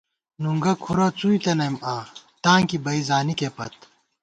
نُونگہ کھورہ څُوئی تنئیم آں تاں کی بئی زانِکے پت